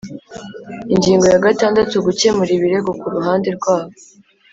Ingingo ya gatandatu Gukemura ibirego ku ruhande rwabo